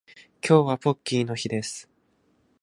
今日はポッキーの日です